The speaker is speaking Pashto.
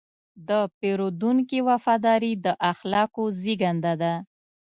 د پیرودونکي وفاداري د اخلاقو زېږنده ده.